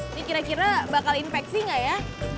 ini kira kira bakal infeksi nggak ya